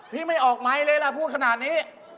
ไม่ออกไมค์เลยล่ะพูดขนาดนี้